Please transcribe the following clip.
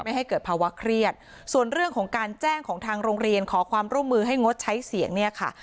ให้เกิดภาวะเครียดส่วนเรื่องของการแจ้งของทางโรงเรียนขอความร่วมมือให้งดใช้เสียงเนี่ยค่ะ